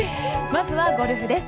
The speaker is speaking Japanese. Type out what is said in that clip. まずはゴルフです。